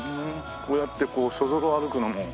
こうやってそぞろ歩くのも。